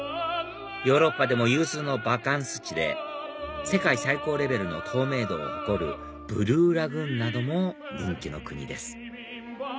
ヨーロッパでも有数のバカンス地で世界最高レベルの透明度を誇るブルーラグーンなども人気の国です